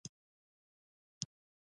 د یهودانو او عیسویانو ودانۍ.